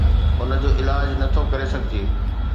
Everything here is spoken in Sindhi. ان جو علاج نه ٿو ڪري سگهجي